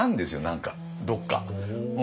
何かどっか。